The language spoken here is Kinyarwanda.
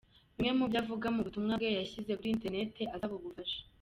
Bimwe mu byo avuga mu butumwa bwe yashyize kuri Internet asaba ubufasha.